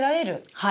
はい。